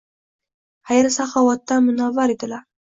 Xayr-saxovatdan munavvar dillar